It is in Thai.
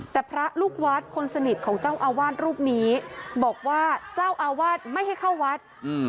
แต่พระลูกวัดคนสนิทของเจ้าอาวาสรูปนี้บอกว่าเจ้าอาวาสไม่ให้เข้าวัดอืม